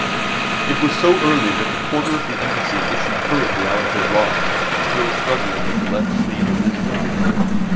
It was so early that the porter of the Embassy issued hurriedly out of his lodge still struggling with the left sleeve of his livery coat.